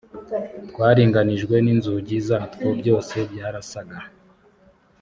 twaringanijwe n inzugi zatwo byose byarasaga